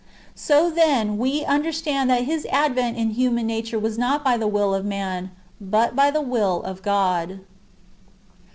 "^ So, then, we understand that His advent in humnn nature was not by the will of a man, but by the will of God.